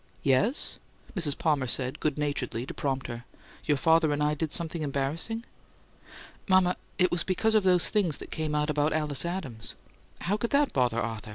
"Yes?" Mrs. Palmer said, good naturedly, to prompt her. "Your father and I did something embarrassing?" "Mama, it was because of those things that came out about Alice Adams." "How could that bother Arthur?